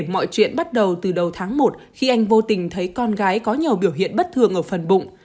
mọi chuyện bắt đầu từ đầu tháng một khi anh vô tình thấy con gái có nhiều biểu hiện bất thường ở phần bụng